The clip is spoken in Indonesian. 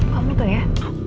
kamu tuh ya